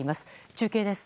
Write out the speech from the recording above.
中継です。